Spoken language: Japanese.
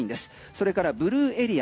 それからブルーエリア